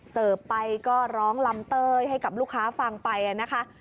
เสิร์ฟไปก็ร้องลำเต้ยให้กับลูกค้าฟังไปนะคะ